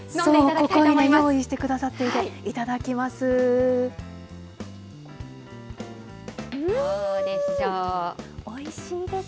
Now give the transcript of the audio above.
ここに用意してくださっていて、いただきます。